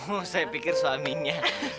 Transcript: oh saya pikir suaminya